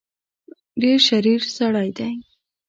ډېر شریر سړی دی.